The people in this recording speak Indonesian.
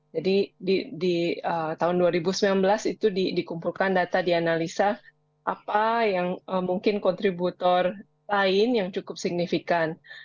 jadi di tahun dua ribu sembilan belas itu dikumpulkan data dianalisa apa yang mungkin kontributor lain yang cukup signifikan